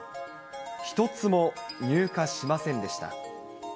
一つも入荷しませんでした。